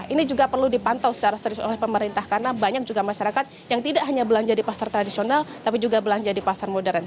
ini juga perlu dipantau secara serius oleh pemerintah karena banyak juga masyarakat yang tidak hanya belanja di pasar tradisional tapi juga belanja di pasar modern